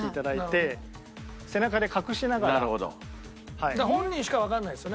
だから本人しかわからないですよね。